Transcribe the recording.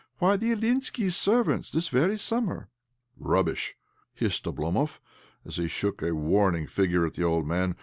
Why, the Ilyinskis' servants, this very summer." " Rubbish !" hissed Oblomov as he shook a warning finger at the old man.